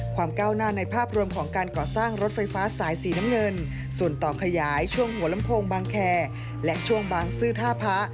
ก้าวหน้าในภาพรวมของการก่อสร้างรถไฟฟ้าสายสีน้ำเงินส่วนต่อขยายช่วงหัวลำโพงบางแคและช่วงบางซื่อท่าพระ